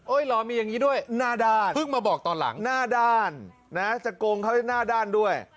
รอมีอย่างนี้ด้วยหน้าด้านเพิ่งมาบอกตอนหลังหน้าด้านนะจะโกงเขาให้หน้าด้านด้วย